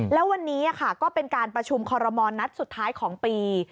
แล้ววันนี้ก็เป็นการประชุมคอรมอลนัดสุดท้ายของปี